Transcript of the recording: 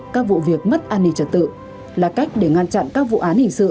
các vụ việc mất an ninh trật tự là cách để ngăn chặn các vụ án hình sự